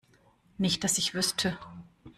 Nicht dass ich wüsste.